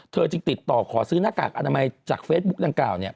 จึงติดต่อขอซื้อหน้ากากอนามัยจากเฟซบุ๊กดังกล่าวเนี่ย